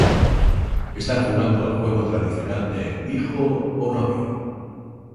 Están jugando el juego tradicional de "Hijo...¿o novio?